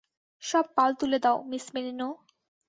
সব পাল তুলে দাও, মিস মেরিনো!